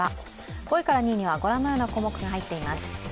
５位から２位にはご覧のようなニュースがら入っています。